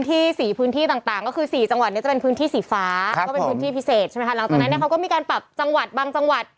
ถูกเตรียมว่าผู้ชายที่ไปหามดำนะครับ